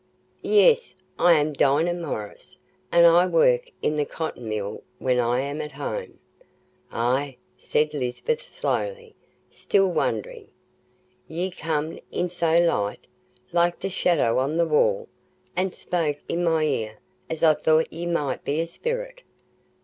"Yes, I am Dinah Morris, and I work in the cotton mill when I am at home." "Ah!" said Lisbeth slowly, still wondering; "ye comed in so light, like the shadow on the wall, an' spoke i' my ear, as I thought ye might be a sperrit.